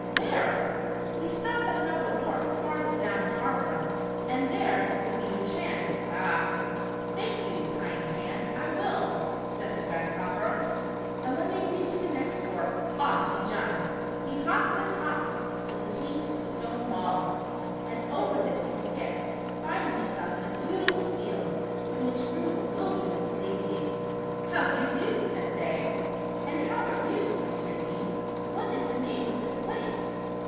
Where?" "We stop at another wharf farther down the harbor, and there will be your chance. Baaaa !" ''Thank you, kind Can. I will," said the Grasshopper, and when they reached the next wharf, off he jumped. He hopped and hopped till he came to a stone wall, and over this he skipped, finding himself in a beautiful field, in which grew a wilderness of daisies. " How do you do ?" said they. "And how are you?" answered he. "What is the name of this place